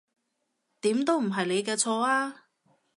點都唔係你嘅錯呀